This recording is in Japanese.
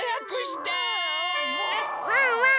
ワンワン